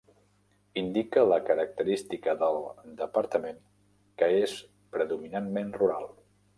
Indica la característica del "département", que és predominantment rural.